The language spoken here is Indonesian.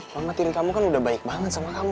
kalau matiin kamu kan udah baik banget sama kamu